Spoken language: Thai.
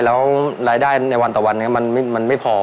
แล้วรายได้ในวันต่อวันนี้มันไม่พอ